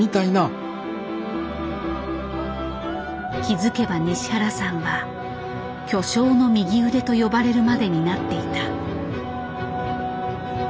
気付けば西原さんは巨匠の右腕と呼ばれるまでになっていた。